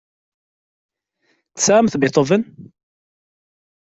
Tesɛamt Beethoven?